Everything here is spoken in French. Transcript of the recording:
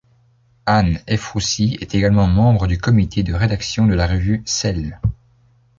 Anne Ephrussi est également membre du Comité de rédaction de la revue Cell.